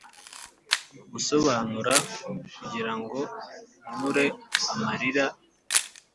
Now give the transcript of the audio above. gusobanura, kugirango nkure amarira